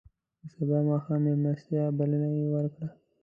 د سبا ماښام میلمستیا بلنه یې وکړه.